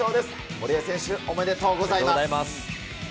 堀江選手、おめでとうございます。